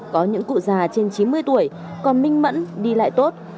có những cụ già trên chín mươi tuổi còn minh mẫn đi lại tốt